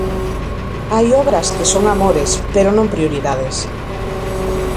Hai obras que son amores, pero non prioridades.